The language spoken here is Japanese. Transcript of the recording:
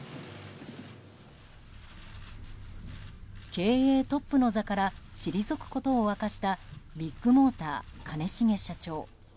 経営トップの座から退くことを明かしたビッグモーター、兼重社長。